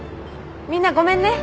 みんなごめんね。